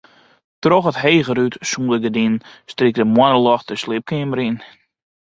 Troch it hege rút sûnder gerdinen strykt it moarnsljocht de sliepkeamer yn.